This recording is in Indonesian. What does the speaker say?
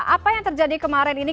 apa yang terjadi kemarin ini